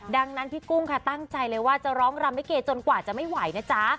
ดังนั้นพี่กุ้งค่ะตั้งใจเลยว่าจะร้องรำลิเกจนกว่าจะไม่ไหวนะจ๊ะ